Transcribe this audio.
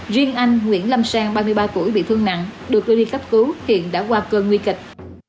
riêng anh nguyễn lâm sang ba mươi ba tuổi bị thương nặng được đưa đi cấp cứu hiện đã qua cơn nguy kịch